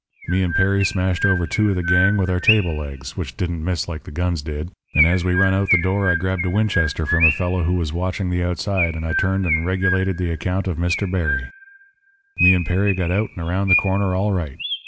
"Me and Perry smashed over two of the gang with our table legs, which didn't miss like the guns did, and as we run out the door I grabbed a Winchester from a fellow who was watching the outside, and I turned and regulated the account of Mr. Berry. "Me and Perry got out and around the corner all right.